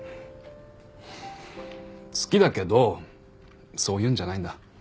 好きだけどそういうんじゃないんだ。